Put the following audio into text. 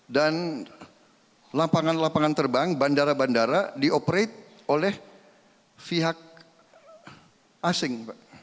dan lapangan lapangan terbang bandara bandara dioperate oleh pihak asing